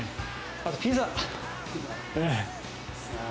あとピザ。